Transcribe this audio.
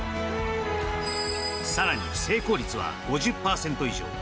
更に、成功率は５０％以上。